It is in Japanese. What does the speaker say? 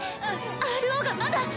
ＲＯがまだ。